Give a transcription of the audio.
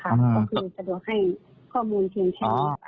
ก็คือสะดวกให้ข้อมูลเพียงแค่